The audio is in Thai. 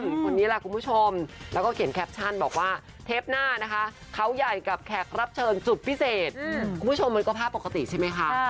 คนนี้แหละคุณผู้ชมแล้วก็เขียนแคปชั่นบอกว่าเทปหน้านะคะเขาใหญ่กับแขกรับเชิญสุดพิเศษคุณผู้ชมมันก็ภาพปกติใช่ไหมคะ